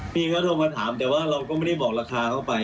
พี่เขาโทรมาถามแต่ว่าเราก็ไม่ได้บอกราคาเข้าไป